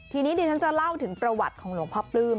ทีนี้ดิฉันจะเล่าถึงประวัติของหลวงพ่อปลื้ม